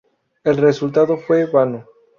El resultado fue vano.